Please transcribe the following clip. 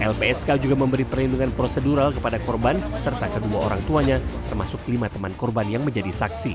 lpsk juga memberi perlindungan prosedural kepada korban serta kedua orang tuanya termasuk lima teman korban yang menjadi saksi